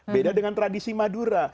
beda dengan tradisi madura